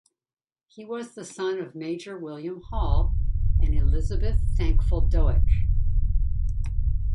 He was the son of Major William Hall and Elizabeth Thankful Doak.